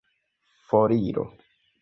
foriro